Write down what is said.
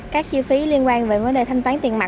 các chi phí liên quan về vấn đề thanh toán tiền mặt